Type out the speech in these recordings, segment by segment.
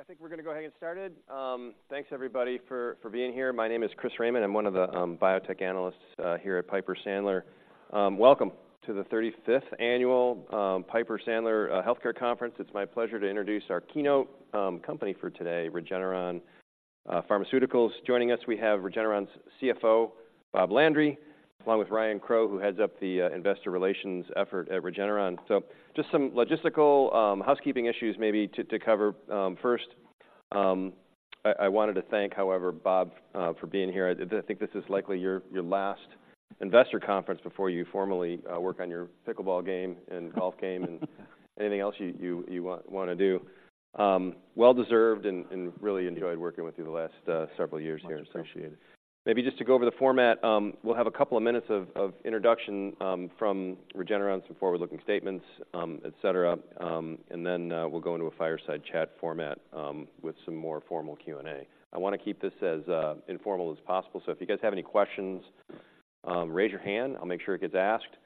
I think we're gonna go ahead and get started. Thanks everybody for being here. My name is Chris Raymond. I'm one of the biotech analysts here at Piper Sandler. Welcome to the thirty-fifth annual Piper Sandler Healthcare Conference. It's my pleasure to introduce our keynote company for today, Regeneron Pharmaceuticals. Joining us, we have Regeneron's CFO, Bob Landry, along with Ryan Crowe, who heads up the investor relations effort at Regeneron. So just some logistical housekeeping issues maybe to cover. First, I wanted to thank, however, Bob for being here. I think this is likely your last investor conference before you formally work on your pickleball game and golf game and anything else you wanna do. Well-deserved and really enjoyed working with you the last several years here, appreciated. Maybe just to go over the format, we'll have a couple of minutes of introduction from Regeneron, some forward-looking statements, et cetera, and then we'll go into a fireside chat format with some more formal Q&A. I wanna keep this as informal as possible, so if you guys have any questions, raise your hand, I'll make sure it gets asked.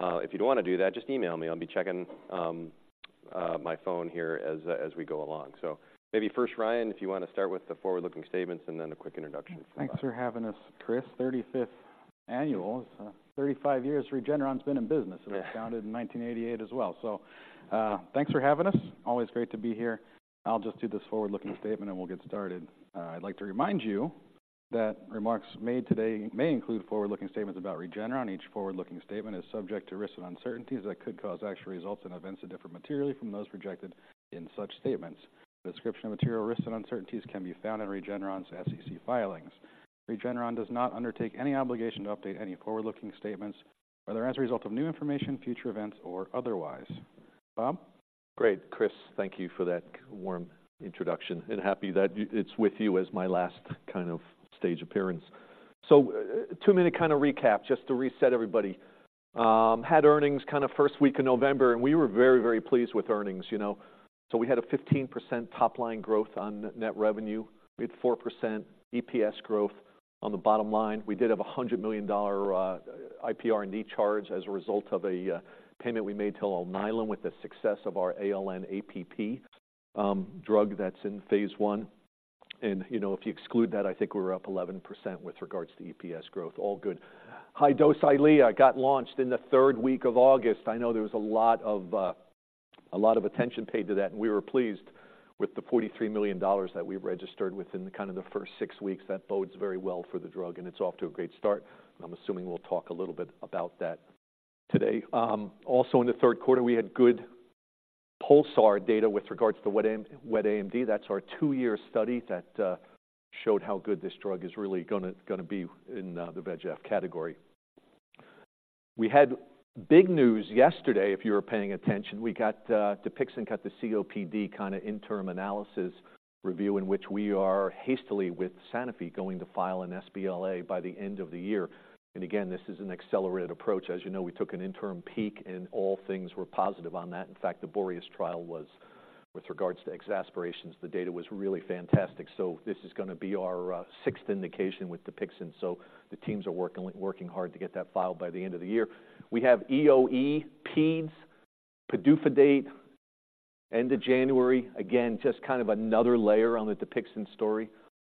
If you don't wanna do that, just email me. I'll be checking my phone here as we go along. So maybe first, Ryan, if you wanna start with the forward-looking statements and then a quick introduction. Thanks for having us, Chris. Thirty-fifth annual, thirty-five years Regeneron's been in business. It was founded in 1988 as well. So, thanks for having us. Always great to be here. I'll just do this forward-looking statement, and we'll get started. I'd like to remind you that remarks made today may include forward-looking statements about Regeneron. Each forward-looking statement is subject to risks and uncertainties that could cause actual results and events to differ materially from those projected in such statements. Description of material risks and uncertainties can be found in Regeneron's SEC filings. Regeneron does not undertake any obligation to update any forward-looking statements, whether as a result of new information, future events, or otherwise. Bob? Great, Chris, thank you for that warm introduction, and happy that it's with you as my last kind of stage appearance. So, 2-minute kind of recap, just to reset everybody. Had earnings kind of first week of November, and we were very, very pleased with earnings, you know. So we had a 15% top-line growth on net revenue. We had 4% EPS growth on the bottom line. We did have a $100 million IPR&D charge as a result of a payment we made to Alnylam with the success of our ALN-APP drug that's in phase I. And, you know, if you exclude that, I think we were up 11% with regards to EPS growth. All good. High-dose EYLEA got launched in the third week of August. I know there was a lot of a lot of attention paid to that, and we were pleased with the $43 million that we registered within kind of the first six weeks. That bodes very well for the drug, and it's off to a great start. I'm assuming we'll talk a little bit about that today. Also in the third quarter, we had good PULSAR data with regards to wet AMD. That's our two-year study that showed how good this drug is really gonna be in the VEGF category. We had big news yesterday, if you were paying attention. We got DUPIXENT got the COPD kind of interim analysis review, in which we are hastily, with Sanofi, going to file an sBLA by the end of the year. And again, this is an accelerated approach. As you know, we took an interim look, and all things were positive on that. In fact, the BOREAS trial was, with regards to exacerbations, the data was really fantastic. So this is gonna be our sixth indication with DUPIXENT, so the teams are working, working hard to get that filed by the end of the year. We have EoE, peds, PDUFA date, end of January. Again, just kind of another layer on the DUPIXENT story.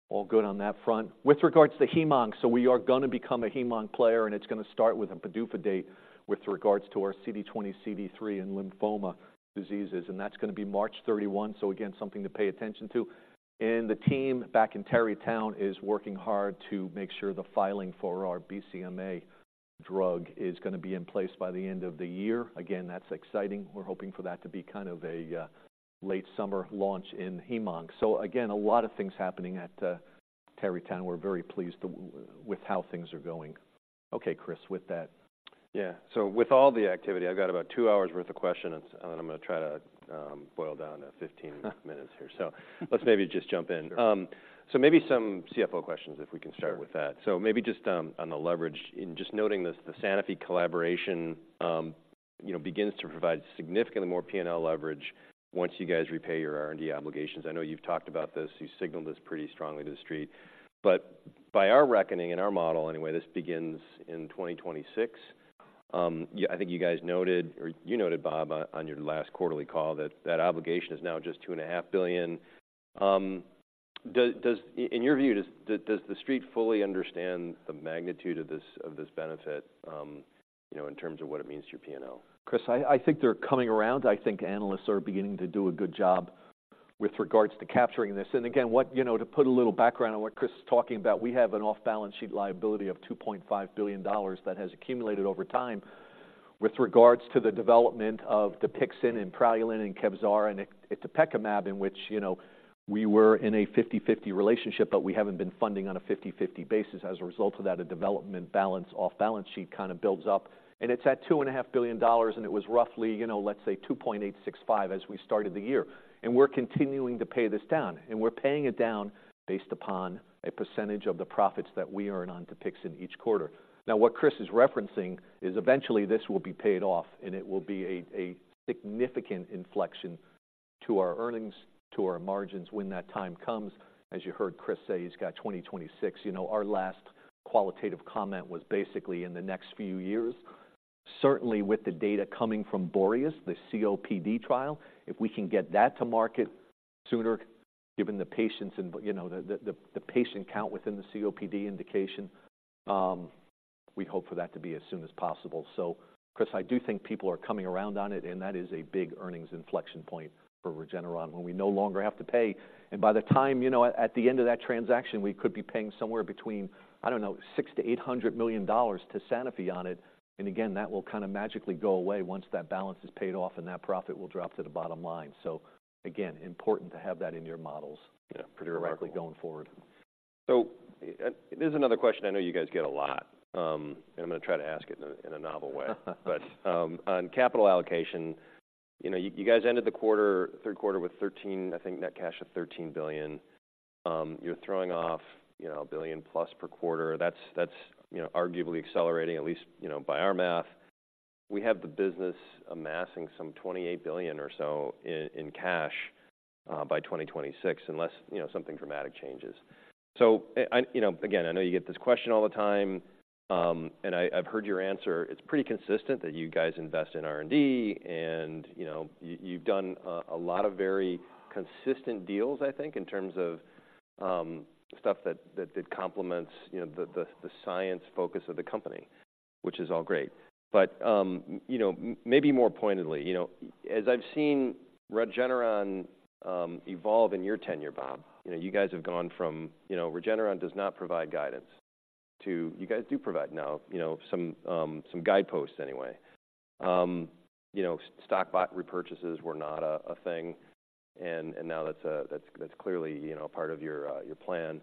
All good on that front. With regards to HemOnc, so we are gonna become a HemOnc player, and it's gonna start with a PDUFA date with regards to our CD20, CD3, and lymphoma diseases, and that's gonna be March 31. So again, something to pay attention to. The team back in Tarrytown is working hard to make sure the filing for our BCMA drug is gonna be in place by the end of the year. Again, that's exciting. We're hoping for that to be kind of a late summer launch in HemOnc. So again, a lot of things happening at Tarrytown. We're very pleased with how things are going. Okay, Chris, with that... Yeah. So with all the activity, I've got about 2 hours' worth of questions, and I'm gonna try to boil down to 15 minutes here. So let's maybe just jump in. Sure. Maybe some CFO questions, if we can start. Sure... with that. So maybe just, on the leverage, in just noting this, the Sanofi collaboration, you know, begins to provide significantly more P&L leverage once you guys repay your R&D obligations. I know you've talked about this. You signaled this pretty strongly to the Street, but by our reckoning and our model, anyway, this begins in 2026. Yeah, I think you guys noted, or you noted, Bob, on your last quarterly call, that that obligation is now just $2.5 billion. In your view, does the Street fully understand the magnitude of this, of this benefit, you know, in terms of what it means to your P&L? Chris, I think they're coming around. I think analysts are beginning to do a good job with regards to capturing this. And again, you know, to put a little background on what Chris is talking about, we have an off-balance sheet liability of $2.5 billion that has accumulated over time with regards to the development of DUPIXENT and PRALUENT and KEVZARA and linvoseltamab, in which, you know, we were in a 50/50 relationship, but we haven't been funding on a 50/50 basis. As a result of that, a development balance, off-balance sheet kind of builds up, and it's at $2.5 billion, and it was roughly, you know, let's say, $2.865 billion as we started the year. And we're continuing to pay this down, and we're paying it down based upon a percentage of the profits that we earn on DUPIXENT each quarter. Now, what Chris is referencing is eventually this will be paid off, and it will be a significant inflection to our earnings, to our margins when that time comes. As you heard Chris say, he's got 2026. You know, our last qualitative comment was basically in the next few years... certainly with the data coming from BOREAS, the COPD trial, if we can get that to market sooner, given the patients and, you know, the patient count within the COPD indication, we hope for that to be as soon as possible. So Chris, I do think people are coming around on it, and that is a big earnings inflection point for Regeneron, when we no longer have to pay. By the time, you know, at the end of that transaction, we could be paying somewhere between, I don't know, $600-$800 million to Sanofi on it. And again, that will kind of magically go away once that balance is paid off, and that profit will drop to the bottom line. So again, important to have that in your models- Yeah. Pretty directly going forward. So, there's another question I know you guys get a lot, and I'm gonna try to ask it in a novel way. But, on capital allocation, you know, you guys ended the quarter, third quarter with $13 billion. I think net cash of $13 billion. You're throwing off, you know, $1 billion-plus per quarter. That's you know, arguably accelerating, at least, you know, by our math. We have the business amassing some $28 billion or so in cash by 2026, unless, you know, something dramatic changes. So you know, again, I know you get this question all the time, and I've heard your answer. It's pretty consistent that you guys invest in R&D, and, you know, you, you've done a lot of very consistent deals, I think, in terms of, stuff that complements, you know, the science focus of the company, which is all great. But, you know, maybe more pointedly, you know, as I've seen Regeneron, evolve in your tenure, Bob, you know, you guys have gone from, "You know, Regeneron does not provide guidance," to, "You guys do provide now," you know, some guideposts anyway. You know, stock buy repurchases were not a thing, and now that's clearly, you know, part of your plan.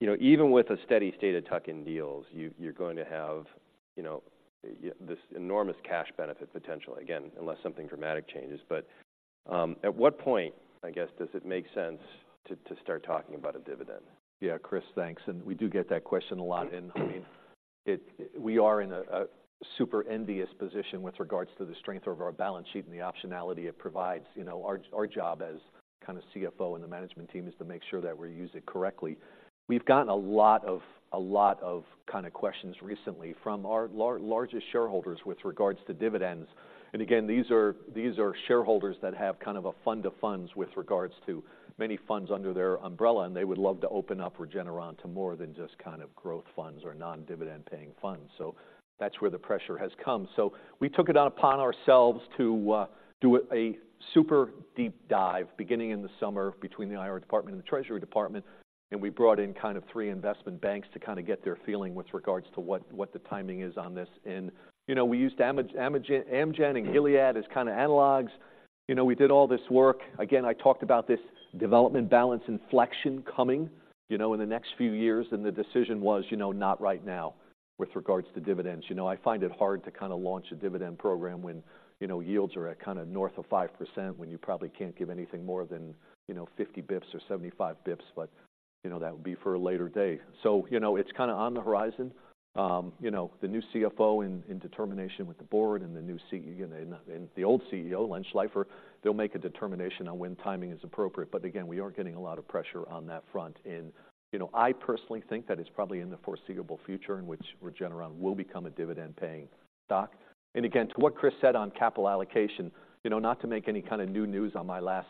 You know, even with a steady state of tuck-in deals, you, you're going to have, you know, this enormous cash benefit potential, again, unless something dramatic changes. At what point, I guess, does it make sense to start talking about a dividend? Yeah, Chris, thanks. And we do get that question a lot, and, I mean, it. We are in a super envious position with regards to the strength of our balance sheet and the optionality it provides. You know, our job as kind of CFO and the management team is to make sure that we use it correctly. We've gotten a lot of kind of questions recently from our largest shareholders with regards to dividends. And again, these are shareholders that have kind of a fund-of-funds with regards to many funds under their umbrella, and they would love to open up Regeneron to more than just kind of growth funds or non-dividend paying funds. So that's where the pressure has come. So we took it upon ourselves to do a super deep dive, beginning in the summer between the IR department and the Treasury Department, and we brought in kind of three investment banks to kind of get their feeling with regards to what the timing is on this. And, you know, we used Amgen and Gilead as kind of analogs. You know, we did all this work. Again, I talked about this development balance inflection coming, you know, in the next few years, and the decision was, you know, not right now with regards to dividends. You know, I find it hard to kind of launch a dividend program when, you know, yields are at kind of north of 5%, when you probably can't give anything more than, you know, 50 bips or 75 bips, but, you know, that would be for a later date. So, you know, it's kind of on the horizon. You know, the new CFO in determination with the board and the new CE, and the old CEO, Len Schleifer, they'll make a determination on when timing is appropriate. But again, we are getting a lot of pressure on that front. And, you know, I personally think that it's probably in the foreseeable future in which Regeneron will become a dividend-paying stock. And again, to what Chris said on capital allocation, you know, not to make any kind of new news on my last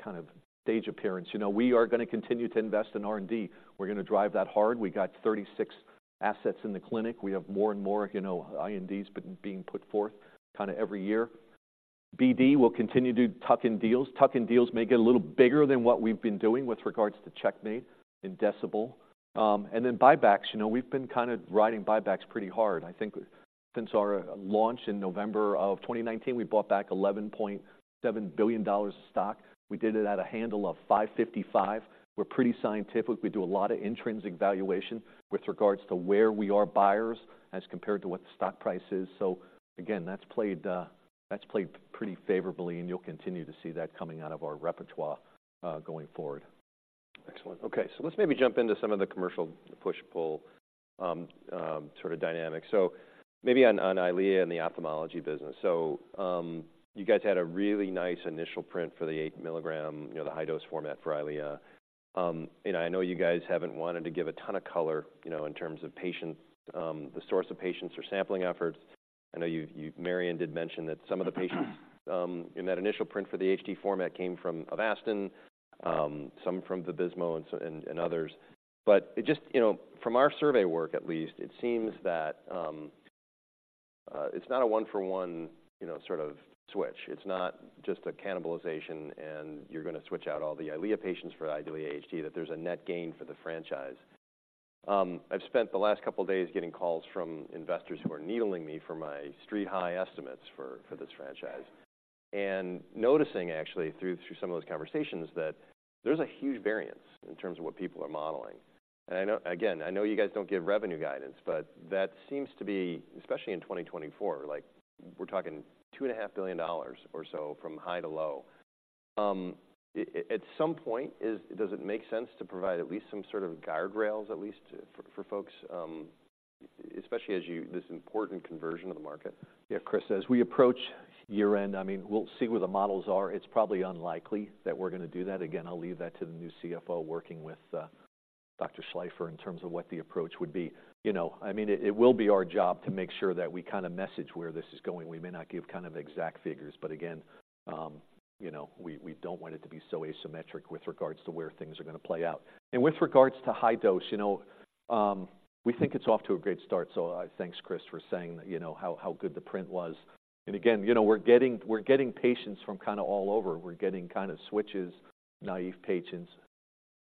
kind of stage appearance, you know, we are gonna continue to invest in R&D. We're gonna drive that hard. We got 36 assets in the clinic. We have more and more, you know, INDs being put forth kind of every year. BD will continue to do tuck-in deals. Tuck-in deals may get a little bigger than what we've been doing with regards to Checkmate and Decibel. And then buybacks. You know, we've been kind of riding buybacks pretty hard. I think since our launch in November of 2019, we bought back $11.7 billion of stock. We did it at a handle of 555. We're pretty scientific. We do a lot of intrinsic valuation with regards to where we are buyers as compared to what the stock price is. So again, that's played, that's played pretty favorably, and you'll continue to see that coming out of our repertoire, going forward. Excellent. Okay, so let's maybe jump into some of the commercial push-pull, sort of dynamic. So maybe on, on EYLEA and the ophthalmology business. So, you guys had a really nice initial print for the 8-milligram, you know, the high-dose format for EYLEA. And I know you guys haven't wanted to give a ton of color, you know, in terms of patients, the source of patients or sampling efforts. I know you've, you've- Marion did mention that some of the patients, in that initial print for the HD format came from Avastin, some from the Vabysmo and so, and, and others. But it just... You know, from our survey work, at least, it seems that, it's not a one-for-one, you know, sort of switch. It's not just a cannibalization, and you're gonna switch out all the EYLEA patients for EYLEA HD, that there's a net gain for the franchise. I've spent the last couple of days getting calls from investors who are needling me for my street high estimates for this franchise. And noticing, actually, through some of those conversations, that there's a huge variance in terms of what people are modeling. And I know... Again, I know you guys don't give revenue guidance, but that seems to be, especially in 2024, like, we're talking $2.5 billion or so from high to low. At some point, does it make sense to provide at least some sort of guardrails, at least for folks? Especially as this important conversion of the market. Yeah, Chris, as we approach year-end, I mean, we'll see where the models are. It's probably unlikely that we're gonna do that. Again, I'll leave that to the new CFO working with Dr. Schleifer, in terms of what the approach would be. You know, I mean, it will be our job to make sure that we kind of message where this is going. We may not give kind of exact figures, but again, you know, we don't want it to be so asymmetric with regards to where things are going to play out. And with regards to high dose, you know, we think it's off to a great start. So, thanks, Chris, for saying that, you know, how good the print was. And again, you know, we're getting patients from kind of all over. We're getting kind of switches, naive patients,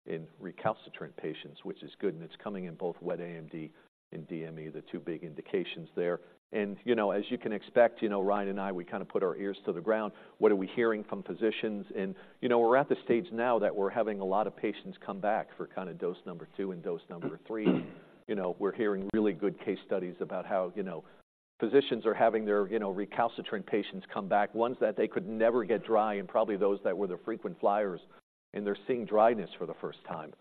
and recalcitrant patients, which is good, and it's coming in both wet AMD and DME, the two big indications there. And, you know, as you can expect, you know, Ryan and I, we kind of put our ears to the ground. What are we hearing from physicians? And, you know, we're at the stage now that we're having a lot of patients come back for kind of dose number two and dose number three. You know, we're hearing really good case studies about how, you know, physicians are having their, you know, recalcitrant patients come back, ones that they could never get dry, and probably those that were the frequent flyers, and they're seeing dryness for the first time,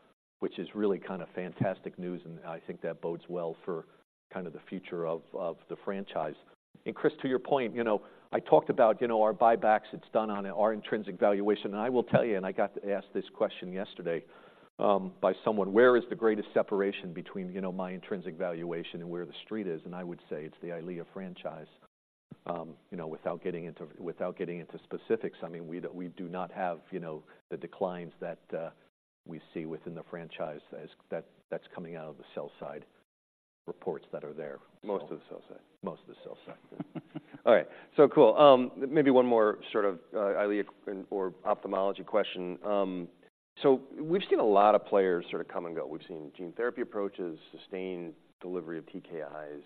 which is really kind of fantastic news, and I think that bodes well for kind of the future of, of the franchise. And Chris, to your point, you know, I talked about, you know, our buybacks. It's done on our intrinsic valuation. And I will tell you, and I got asked this question yesterday by someone: Where is the greatest separation between, you know, my intrinsic valuation and where the street is? And I would say it's the EYLEA franchise. You know, without getting into, without getting into specifics, I mean, we, we do not have, you know, the declines that we see within the franchise as that's coming out of the sell side reports that are there. Most of the sell-side. Most of the sell side. All right. So cool. Maybe one more sort of, EYLEA or ophthalmology question. So we've seen a lot of players sort of come and go. We've seen gene therapy approaches, sustained delivery of TKIs,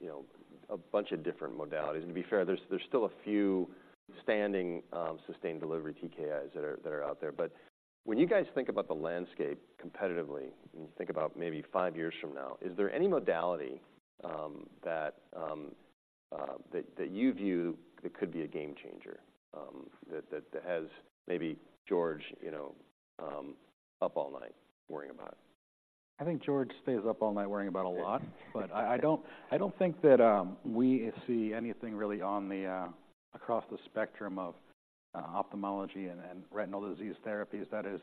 you know, a bunch of different modalities. And to be fair, there's still a few standing, sustained delivery TKIs that are out there. But when you guys think about the landscape competitively, and you think about maybe five years from now, is there any modality, that you view that could be a game changer, that has maybe George, you know, up all night worrying about? I think George stays up all night worrying about a lot. But I don't think that we see anything really across the spectrum of ophthalmology and retinal disease therapies that is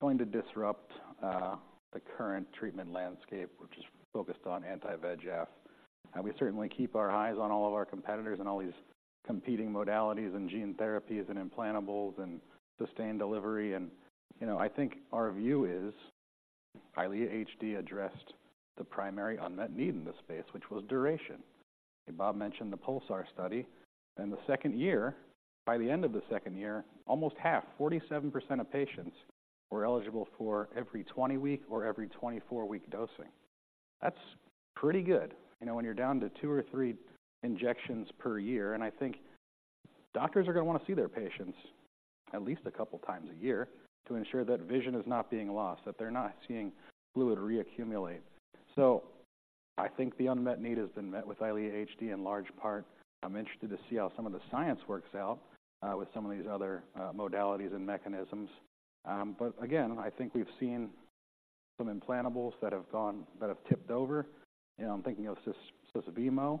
going to disrupt the current treatment landscape, which is focused on anti-VEGF. And we certainly keep our eyes on all of our competitors and all these competing modalities and gene therapies and implantables and sustained delivery. And, you know, I think our view is EYLEA HD addressed the primary unmet need in this space, which was duration. And Bob mentioned the PULSAR study. In the second year, by the end of the second year, almost half, 47% of patients were eligible for every 20-week or every 24-week dosing. That's pretty good, you know, when you're down to two or three injections per year, and I think doctors are going to want to see their patients at least a couple times a year to ensure that vision is not being lost, that they're not seeing fluid reaccumulate. So I think the unmet need has been met with EYLEA HD in large part. I'm interested to see how some of the science works out with some of these other modalities and mechanisms. But again, I think we've seen some implantables that have gone, that have tipped over. You know, I'm thinking of Susvimo.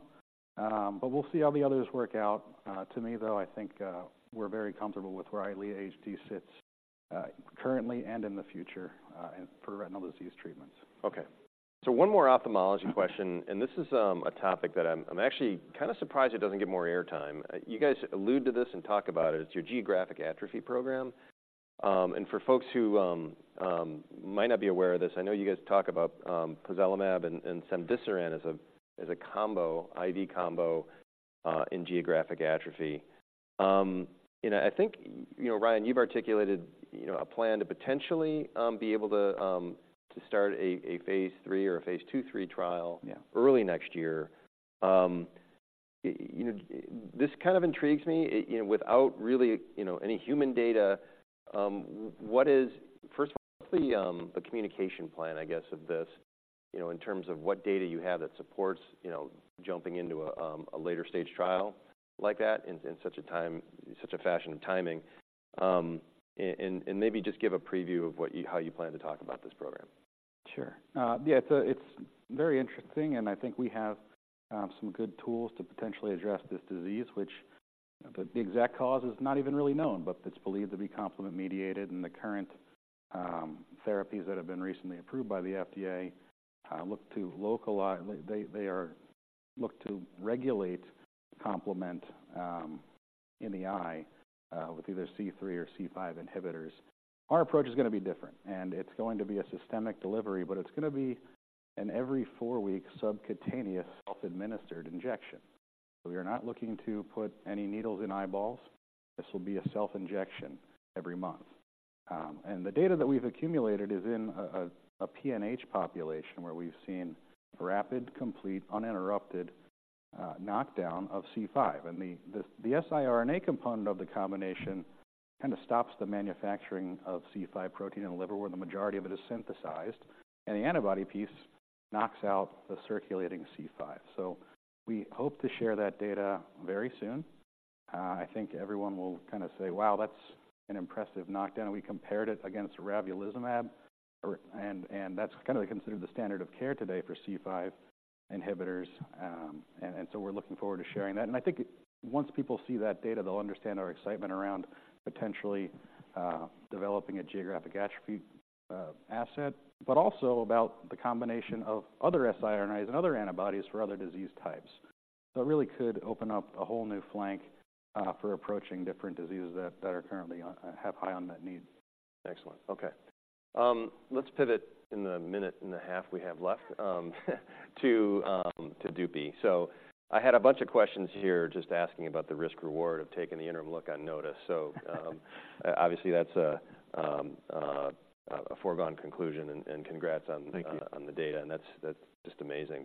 But we'll see how the others work out. To me, though, I think we're very comfortable with where EYLEA HD sits currently and in the future, and for retinal disease treatments. Okay, so one more ophthalmology question, and this is a topic that I'm actually kind of surprised it doesn't get more airtime. You guys allude to this and talk about it. It's your geographic atrophy program. And for folks who might not be aware of this, I know you guys talk about pozelimab and cemdisiran as a combo, IV combo, in geographic atrophy. You know, I think, you know, Ryan, you've articulated, you know, a plan to potentially be able to to start a phase III or a phase II/III trial- Yeah... early next year. You know, this kind of intrigues me. You know, without really, you know, any human data, what is... First of all, what's the, the communication plan, I guess, of this, you know, in terms of what data you have that supports, you know, jumping into a, a later stage trial like that in, in such a time, such a fashion of timing? And, and maybe just give a preview of what you, how you plan to talk about this program. Sure. Yeah, it's very interesting, and I think we have some good tools to potentially address this disease, which the exact cause is not even really known, but it's believed to be complement-mediated. And the current therapies that have been recently approved by the FDA look to localize. They look to regulate complement in the eye with either C3 or C5 inhibitors. Our approach is going to be different, and it's going to be a systemic delivery, but it's going to be an every four-week subcutaneous, self-administered injection. So we are not looking to put any needles in eyeballs. This will be a self-injection every month. And the data that we've accumulated is in a PNH population, where we've seen rapid, complete, uninterrupted knockdown of C5. And the siRNA component of the combination kind of stops the manufacturing of C5 protein in the liver, where the majority of it is synthesized, and the antibody piece knocks out the circulating C5. So we hope to share that data very soon. I think everyone will kind of say, "Wow, that's an impressive knockdown." And we compared it against ravulizumab, and that's kind of considered the standard of care today for C5 inhibitors. And so we're looking forward to sharing that. And I think once people see that data, they'll understand our excitement around potentially developing a geographic atrophy asset, but also about the combination of other siRNAs and other antibodies for other disease types. So it really could open up a whole new flank for approaching different diseases that are currently have high unmet needs. Excellent. Okay, let's pivot in the minute and a half we have left, to Dupixent. So I had a bunch of questions here just asking about the risk-reward of taking the interim look on NOTUS. So, obviously, that's a foregone conclusion, and congrats on- Thank you... on the data, and that's, that's just amazing.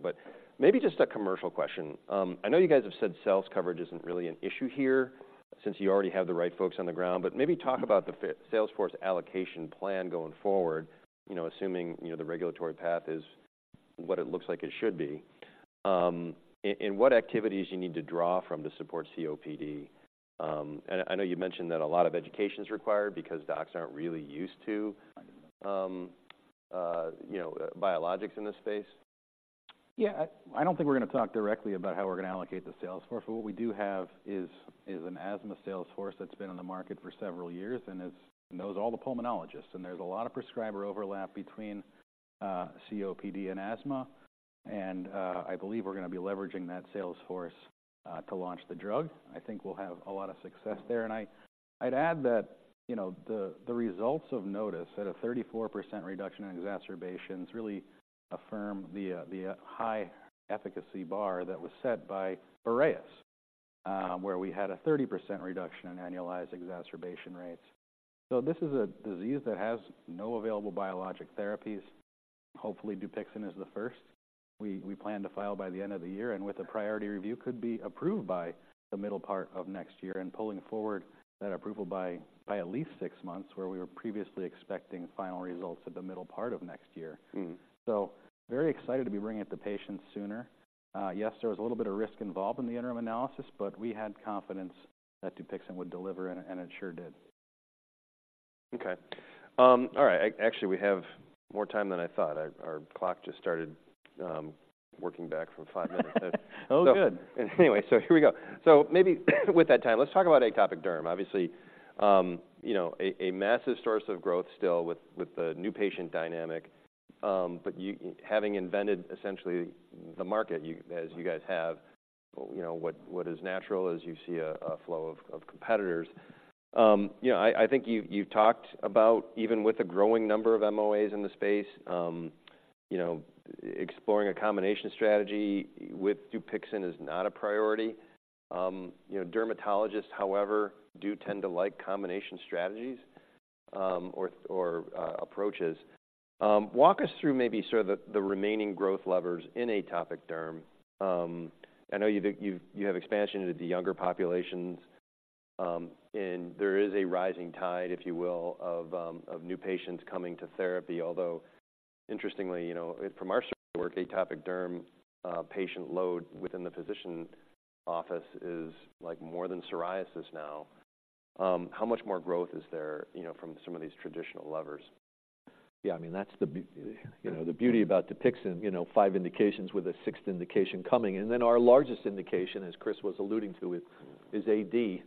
Maybe just a commercial question. I know you guys have said sales coverage isn't really an issue here since you already have the right folks on the ground. Maybe talk about- Mm-hmm... the sales force allocation plan going forward, you know, assuming, you know, the regulatory path is what it looks like it should be. What activities you need to draw from to support COPD. I know you mentioned that a lot of education is required because docs aren't really used to, you know, biologics in this space. Yeah. I don't think we're gonna talk directly about how we're gonna allocate the sales force, but what we do have is an asthma sales force that's been on the market for several years and knows all the pulmonologists, and there's a lot of prescriber overlap between COPD and asthma. And I believe we're gonna be leveraging that sales force to launch the drug. I think we'll have a lot of success there. And I'd add that, you know, the results of NOTUS at a 34% reduction in exacerbations really affirm the high efficacy bar that was set by BOREAS, where we had a 30% reduction in annualized exacerbation rates. So this is a disease that has no available biologic therapies. Hopefully, DUPIXENT is the first. We plan to file by the end of the year, and with a priority review, could be approved by the middle part of next year and pulling forward that approval by at least six months, where we were previously expecting final results at the middle part of next year. Mm-hmm. So very excited to be bringing it to patients sooner. Yes, there was a little bit of risk involved in the interim analysis, but we had confidence that DUPIXENT would deliver, and it sure did. Okay. All right. Actually, we have more time than I thought. Our clock just started working back for five minutes. Oh, good. Anyway, so here we go. So maybe with that time, let's talk about atopic derm. Obviously, you know, a massive source of growth still with the new patient dynamic. But you, having invented essentially the market, you, as you guys have, you know, what is natural is you see a flow of competitors. You know, I think you talked about, even with the growing number of MOAs in the space, you know, exploring a combination strategy with DUPIXENT is not a priority. You know, dermatologists, however, do tend to like combination strategies, or approaches. Walk us through maybe sort of the remaining growth levers in atopic derm. I know you have expansion into the younger populations, and there is a rising tide, if you will, of new patients coming to therapy. Although interestingly, you know, from our work, atopic derm patient load within the physician office is, like, more than psoriasis now. How much more growth is there, you know, from some of these traditional levers? Yeah, I mean, that's the beauty about DUPIXENT, you know, five indications with a sixth indication coming. And then our largest indication, as Chris was alluding to, is AD.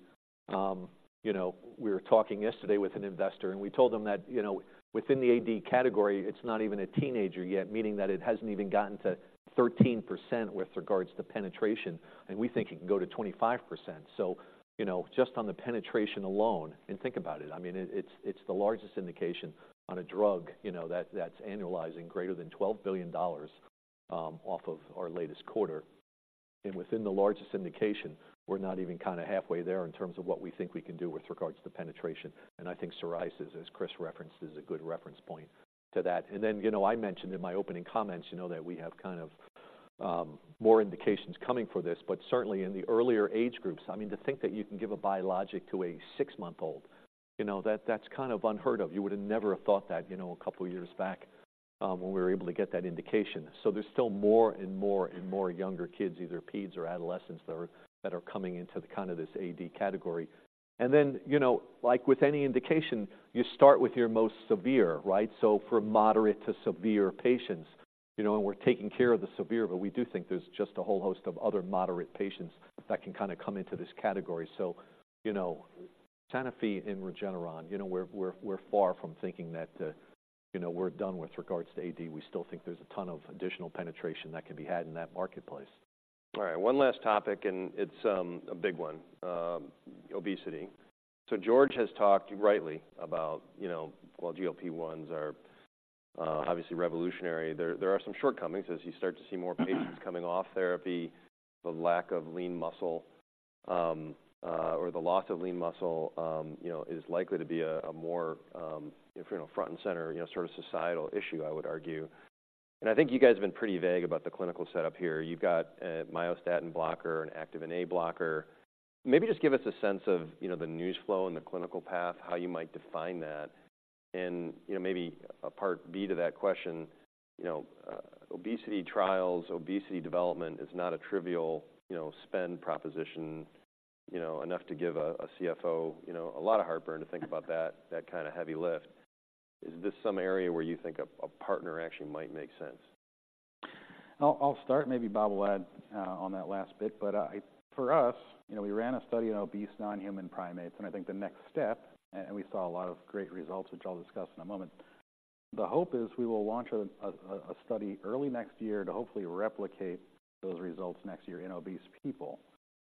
You know, we were talking yesterday with an investor, and we told them that, you know, within the AD category, it's not even a teenager yet, meaning that it hasn't even gotten to 13% with regards to penetration, and we think it can go to 25%. So, you know, just on the penetration alone. And think about it, I mean, it's the largest indication on a drug, you know, that's annualizing greater than $12 billion off of our latest quarter. And within the largest indication, we're not even kind of halfway there in terms of what we think we can do with regards to penetration. And I think psoriasis, as Chris referenced, is a good reference point to that. And then, you know, I mentioned in my opening comments, you know, that we have kind of, more indications coming for this, but certainly in the earlier age groups. I mean, to think that you can give a biologic to a six-month-old, you know, that, that's kind of unheard of. You would have never thought that, you know, a couple of years back, when we were able to get that indication. So there's still more and more and more younger kids, either peds or adolescents, that are, that are coming into the kind of this AD category. And then, you know, like with any indication, you start with your most severe, right? So from moderate to severe patients, you know, and we're taking care of the severe, but we do think there's just a whole host of other moderate patients that can kind of come into this category. So, you know, Sanofi and Regeneron, you know, we're far from thinking that, you know, we're done with regards to AD. We still think there's a ton of additional penetration that can be had in that marketplace. All right, one last topic, and it's a big one, obesity. So George has talked rightly about, you know, while GLP-1s are obviously revolutionary, there are some shortcomings as you start to see more patients coming off therapy, the lack of lean muscle or the loss of lean muscle, you know, is likely to be a more front and center, you know, sort of societal issue, I would argue. And I think you guys have been pretty vague about the clinical setup here. You've got a myostatin blocker, an activin A blocker. Maybe just give us a sense of, you know, the news flow and the clinical path, how you might define that. You know, maybe a Part B to that question, you know, obesity trials, obesity development is not a trivial, you know, spend proposition, you know, enough to give a CFO, you know, a lot of heartburn to think about - that kind of heavy lift. Is this some area where you think a partner actually might make sense? I'll start. Maybe Bob will add on that last bit. But for us, you know, we ran a study on obese non-human primates, and I think the next step, and we saw a lot of great results, which I'll discuss in a moment. The hope is we will launch a study early next year to hopefully replicate those results next year in obese people.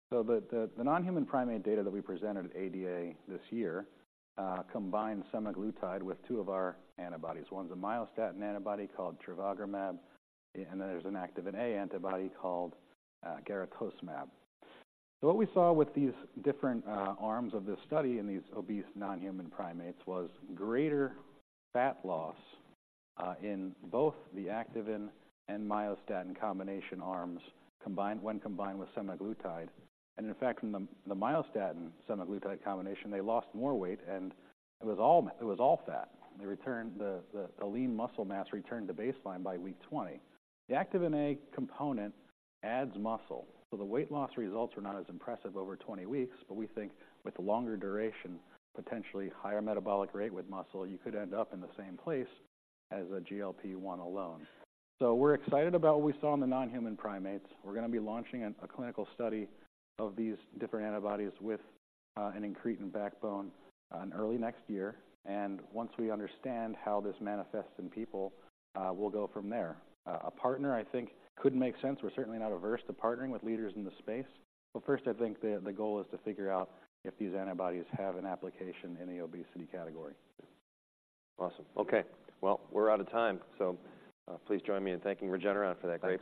So the non-human primate data that we presented at ADA this year combined semaglutide with two of our antibodies. One's a myostatin antibody called trevogrumab, and then there's an activin A antibody called garetosmab. So what we saw with these different arms of this study in these obese non-human primates was greater fat loss in both the activin and myostatin combination arms, combined when combined with semaglutide. In fact, in the myostatin semaglutide combination, they lost more weight, and it was all fat. They retained the lean muscle mass returned to baseline by week 20. The activin A component adds muscle, so the weight loss results were not as impressive over 20 weeks. But we think with longer duration, potentially higher metabolic rate with muscle, you could end up in the same place as a GLP-1 alone. So we're excited about what we saw in the non-human primates. We're gonna be launching a clinical study of these different antibodies with an incretin backbone early next year. And once we understand how this manifests in people, we'll go from there. A partner, I think, could make sense. We're certainly not averse to partnering with leaders in the space, but first, I think the goal is to figure out if these antibodies have an application in the obesity category. Awesome. Okay, well, we're out of time, so, please join me in thanking Regeneron for that great-